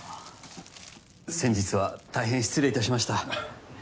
先日はたいへん失礼いたしました。